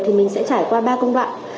thì mình sẽ trải qua ba công đoạn